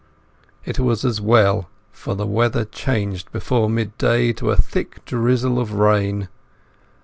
It was as well, for the weather changed before midday to a thick drizzle of rain.